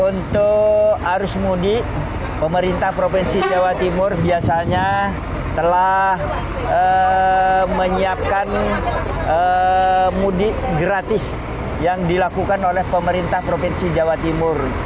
untuk arus mudik pemerintah provinsi jawa timur biasanya telah menyiapkan mudik gratis yang dilakukan oleh pemerintah provinsi jawa timur